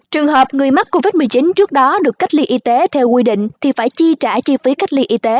trường hợp người mắc covid một mươi chín trước đó được cách ly y tế theo quy định thì phải chi trả chi phí cách ly y tế